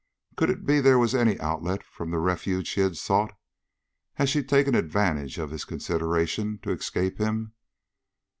Could it be there was any outlet from the refuge she had sought? Had she taken advantage of his consideration to escape him?